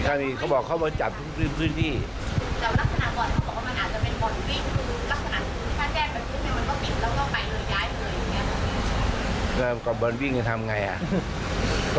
ถ้าเกิดว่านายกรัฐมนตรีอยู่ไทยเรื่องนี้ต้องไปถามนายก